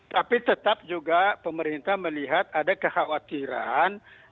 tapi tetap juga pemerintah melihat ada kekhawatiran